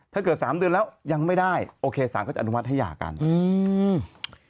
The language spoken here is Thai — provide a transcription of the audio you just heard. ถ้าเกิดสามเดือนแล้วยังไม่ได้โอเคสารก็จะอนุมัติให้หย่ากันอืม